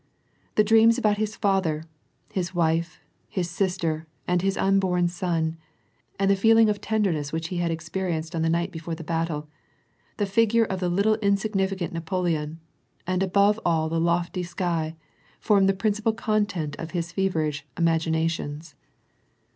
The dreams about his father, his wife, his sister, and his unborn son, and the feeling of tenderness which he had experienced on the night before the battle, the figure of tte little insignificant Napoleon, and above all the lofty sky, fenned the principal content of his feverish imaginations.